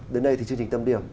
đến đây thì chương trình tâm điểm